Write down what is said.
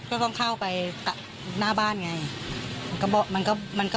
ก็เขาก็รถก็ต้องเข้าไปหน้าบ้านไงมันก็มันก็มันก็บ่อยเหมือนกัน